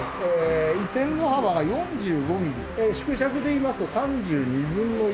線路幅が４５ミリ縮尺でいいますと３２分の１という。